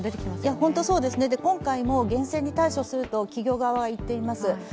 本当そうですね、今回も厳正に対処すると企業側は言っています。